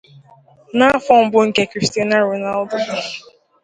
n'afọ mbụ nke Cristiano Ronaldo.